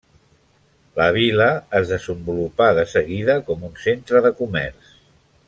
La vila es desenvolupà de seguida com un centre de comerç.